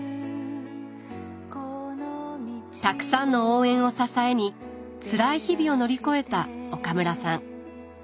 たくさんの応援を支えにつらい日々を乗り越えた岡村さん。